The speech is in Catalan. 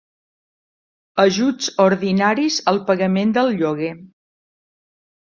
Ajuts ordinaris al pagament del lloguer.